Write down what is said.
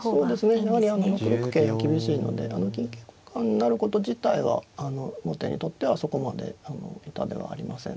やはり６六桂が厳しいので金桂交換になること自体は後手にとってはそこまで痛手はありません。